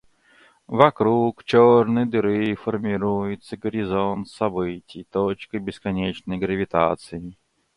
Вокруг черной дыры формируется горизонт событий — точка бесконечной гравитации.